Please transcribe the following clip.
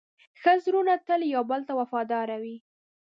ښه زړونه تل یو بل ته وفادار وي.